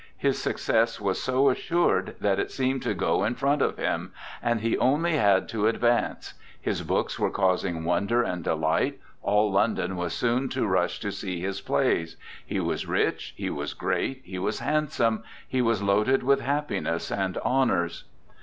His success was so assured that it seemed to go in front of him, and he had only to advance. His books were causing wonder and delight. All London was soon to rush to see his plays. He was rich, he was great, he was handsome, he was loaded with happiness and honours.